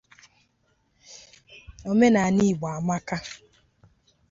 Ndị ama ama dịka Issa Rae eyiela efe ya.